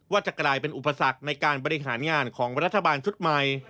ว่าจะกลายเป็นอุปสรรคในการบริหารงานของรัฐบาลชุดใหม่